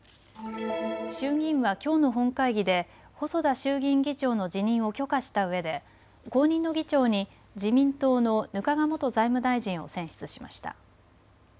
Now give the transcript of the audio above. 衆議院はきょうの本会議で細田衆議院議長の辞任を許可したうえで後任の議長に自民党の額賀元財務大臣を選出しました。